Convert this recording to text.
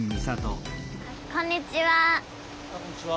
こんにちは。